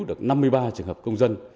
được năm mươi ba trường hợp công dân